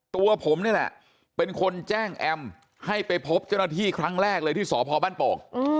ตัวผมนี่แหละเป็นคนแจ้งแอมให้ไปพบเจ้าหน้าที่ครั้งแรกเลยที่สพบ้านโป่ง